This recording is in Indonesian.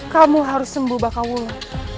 kamu harus sembuh baka wulan